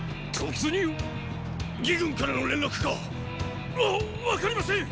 魏軍からの連絡か⁉わっ分かりません！